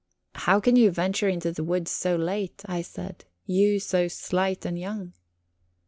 "How can you venture into the woods so late?" I said "you so slight and young?"